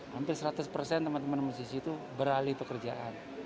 hampir seratus persen teman teman musisi itu beralih pekerjaan